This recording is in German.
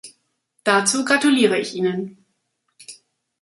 Dazu gratuliere ich Ihnen.